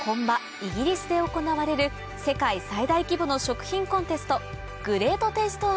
イギリスで行われる世界最大規模の食品コンテスト